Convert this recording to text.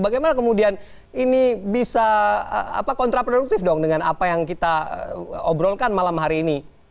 bagaimana kemudian ini bisa kontraproduktif dong dengan apa yang kita obrolkan malam hari ini